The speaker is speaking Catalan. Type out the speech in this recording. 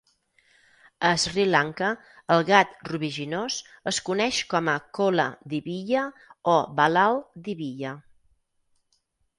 A Sri Lanka, el gat rubiginós es coneix com a "kola diviya" o "balal diviya".